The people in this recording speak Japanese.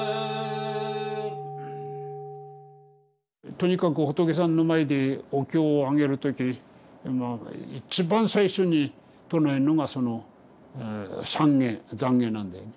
とにかく仏さんの前でお経をあげる時一番最初に唱えんのがその懺悔懺悔なんだよね。